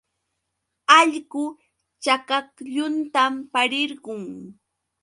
Allqu chakaklluntam pariqun.